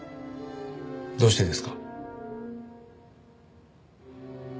どうしてですか？